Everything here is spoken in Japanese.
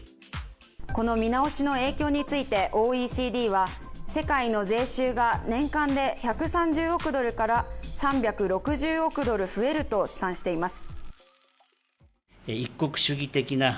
この見直しの影響についてＯＥＣＤは世界の税収が年間で１３０億ドルから３６０億ドル増えると試算しています。